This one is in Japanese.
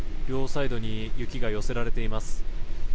両サイドに雪が寄せられています。